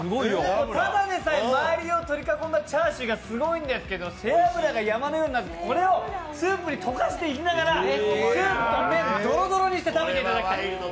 ただでさえ周りを取り囲んだチャーシューがすごいんですけど背脂が山のようになっているんですが、これをスープに溶かしていただきながらスープと麺、どろどろにして食べていただきたい。